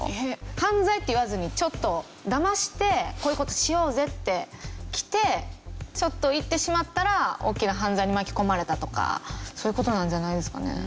犯罪って言わずにちょっとだましてこういう事しようぜってきてちょっと行ってしまったら大きな犯罪に巻き込まれたとかそういう事なんじゃないですかね。